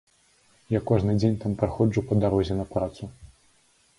Я кожны дзень там праходжу па дарозе на працу.